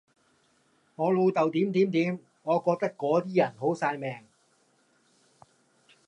我老豆點點點，我覺得嗰啲人好曬命